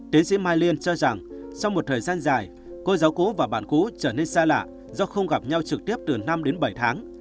tiến sĩ mai liên cho rằng sau một thời gian dài cô giáo cũ và bạn cũ trở nên xa lạ do không gặp nhau trực tiếp từ năm đến bảy tháng